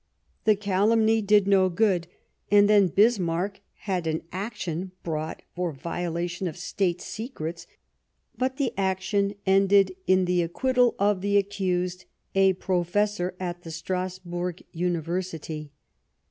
The calumny did no good, and then Bismarck had an action brought for violation of State secrets ; but the action ended in the acquittal of the accused, a professor at the Strasburg University.